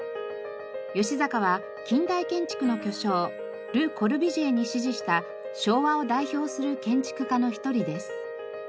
吉阪は近代建築の巨匠ル・コルビュジエに師事した昭和を代表する建築家の一人です。